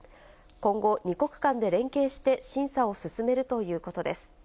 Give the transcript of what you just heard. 今後、２国間で連携して審査を進めるということです。